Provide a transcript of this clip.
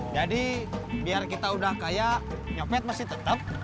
jadi biar kita udah kaya nyopet mesti tetep